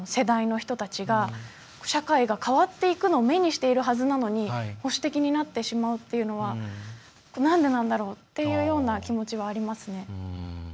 人たちが社会が変わっていくのを目にしているはずなのに保守的になってしまうというのはなんでなんだろうというような気持ちはありますね。